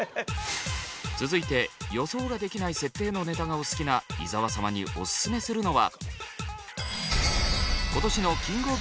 続いて予想が出来ない設定のネタがお好きな伊沢様にオススメするのは。